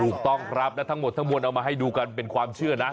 ถูกต้องครับและทั้งหมดทั้งมวลเอามาให้ดูกันเป็นความเชื่อนะ